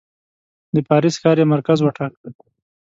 د پاریس ښار یې مرکز وټاکه.